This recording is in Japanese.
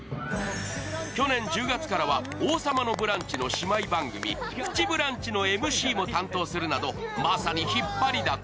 去年１０月からは「王様のブランチ」の姉妹番組、「プチブランチ」のＭＣも担当するなど、まさに引っ張りだこ。